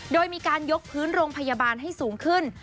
โดยมีการยกพื้นโรงพยาบาลให้สูงขึ้น